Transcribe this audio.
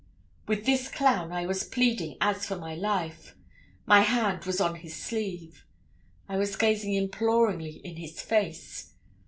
With this clown I was pleading, as for my life; my hand was on his sleeve. I was gazing imploringly in his face.